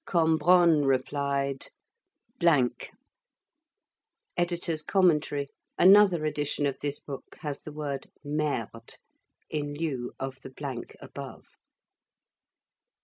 Cambronne replied, "——." {EDITOR'S COMMENTARY: Another edition of this book has the word "Merde!" in lieu of the —— above.